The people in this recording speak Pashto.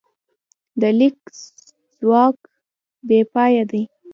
د لیک ځواک بېپایه دی.